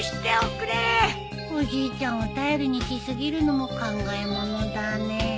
おじいちゃんを頼りにし過ぎるのも考えものだね。